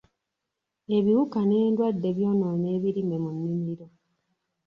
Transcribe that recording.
Ebiwuka n'endwadde byonoona ebirime mu nnimiro.